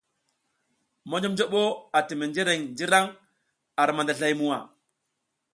Monjoɓnjoɓo ati menjreŋ njǝraŋ ar mandazlay muwa.